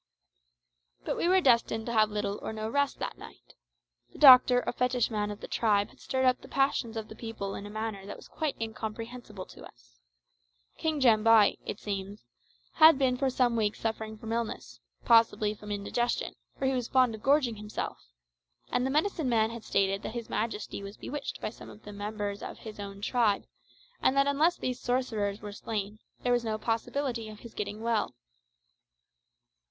But we were destined to have little or no rest that night. The doctor or fetishman of the tribe had stirred up the passions of the people in a manner that was quite incomprehensible to us. King Jambai, it seems, had been for some weeks suffering from illness possibly from indigestion, for he was fond of gorging himself and the medicine man had stated that his majesty was bewitched by some of the members of his own tribe, and that unless these sorcerers were slain there was no possibility of his getting well.